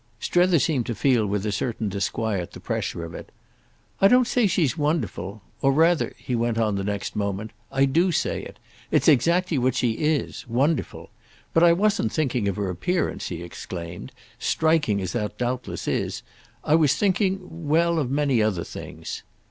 Strether seemed to feel with a certain disquiet the pressure of it. "I don't say she's wonderful. Or rather," he went on the next moment, "I do say it. It's exactly what she is—wonderful. But I wasn't thinking of her appearance," he explained—"striking as that doubtless is. I was thinking—well, of many other things."